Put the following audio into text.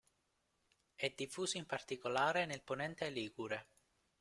È diffuso in particolare nel ponente ligure.